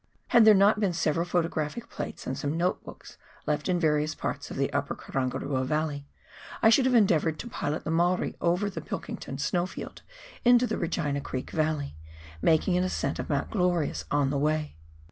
Had there not been several photographic plates and some note books left in various parts of the Upper Karangarua Valley, I should have en deavoured to pilot the Maori over the Pilkington snow field into the Regina Creek Valley, making an ascent of Mount Glorious on the way.